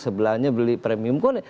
sebelahnya beli premium kone